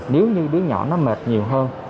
nếu như đứa nhỏ nó mệt nhiều hơn